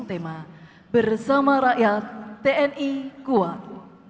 tema bersama rakyat tni kuat